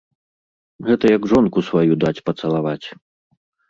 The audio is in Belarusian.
Гэта як жонку сваю даць пацалаваць.